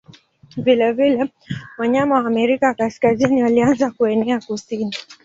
Vilevile wanyama wa Amerika Kaskazini walianza kuenea kusini.